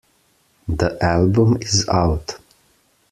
The album is out.